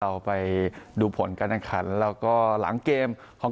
เราไปดูผลการแข่งขันแล้วก็หลังเกมของ